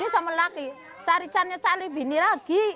sama lelaki cari cari cari bini lagi